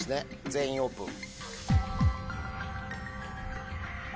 全員オープン！